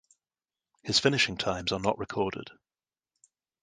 His finishing times are not recorded.